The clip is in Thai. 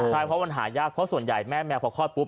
ใช่เพราะมันหายากเพราะส่วนใหญ่แม่แมวพอคลอดปุ๊